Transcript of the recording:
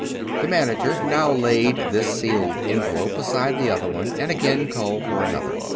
The manager now laid this sealed envelope beside the other one and again called for another.